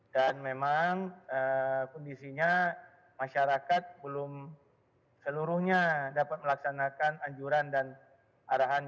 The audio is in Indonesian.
dan memang kondisinya masyarakat belum seluruhnya dapat melaksanakan anjuran dan arahan